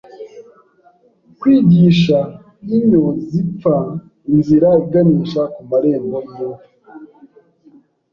Kwigisha inyo zipfa inzira iganisha kumarembo yimva